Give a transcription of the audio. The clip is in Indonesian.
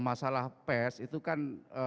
masalah pers itu kan